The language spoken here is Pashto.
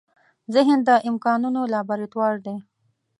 ذهن د امکانونو لابراتوار دی.